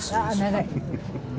長い。